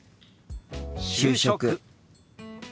「就職」。